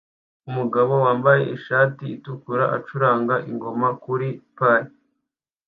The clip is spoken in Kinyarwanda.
Umugabo wambaye ishati itukura acuranga ingoma kuri pir